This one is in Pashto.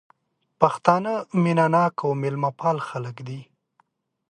پښتانه مينه ناک او ميلمه پال خلک دي